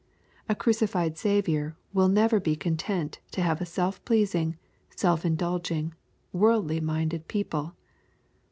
A crucified Saviour will never be content to have a self pleasing, self indulging, worldly minded people.